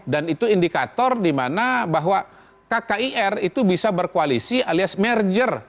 dan itu indikator dimana bahwa kkir itu bisa berkoalisi alias merger